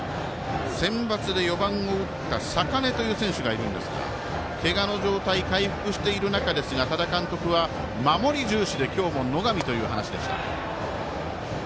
センバツで４番を打った坂根という選手がいるんですがけがの状態回復している中ですが多田監督は守り重視で今日も野上という話でした。